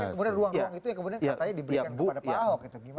tapi kemudian ruang ruang itu yang kemudian katanya diberikan kepada pak ahok itu gimana